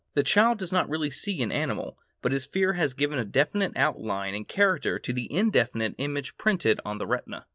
The child does not really see an animal, but his fear has given a definite outline and character to the indefinite image printed on the retina.